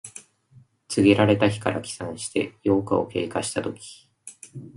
告げられた日から起算して八日を経過したとき。